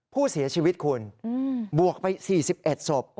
ผู้เสียชีวิตคุณบวกไป๔๑ศพ